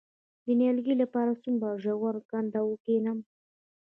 د نیالګي لپاره څومره ژوره کنده وکینم؟